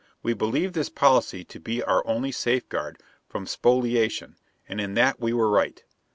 We believed this policy to be our only safeguard from spoliation, and in that we were right.